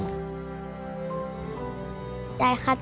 ได้ค่าตังค์๒๐บาท